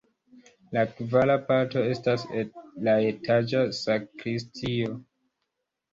La kvara parto estas la etaĝa sakristio.